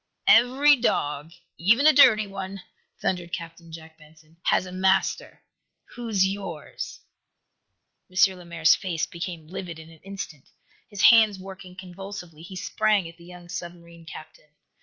"Every dog, even a dirty one," thundered Captain Jack Benson, "has a master! Who's yours?" M. Lemaire's face became livid in an instant. His hands working convulsively, he sprang at the young submarine captain.